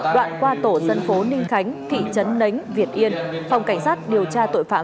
đoạn qua tổ dân phố ninh khánh thị trấn nánh việt yên phòng cảnh sát điều tra tội phạm